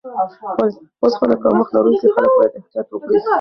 اوسپنه کمښت لرونکي خلک باید احتیاط وکړي.